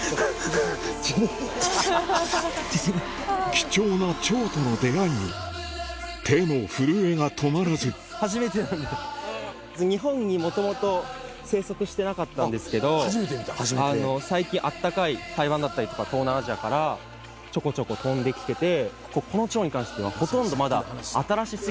貴重な蝶との出合いに手の震えが止まらず日本にもともと生息してなかったんですけど最近暖かい台湾だったりとか東南アジアからちょこちょこ飛んできてて。